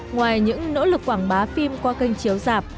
ngoài những nỗ lực quảng bá phim qua kênh chiếu dạp